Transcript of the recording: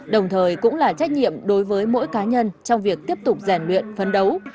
đồng thời cũng là trách nhiệm đối với mỗi cá nhân trong việc tiếp tục rèn luyện phấn đấu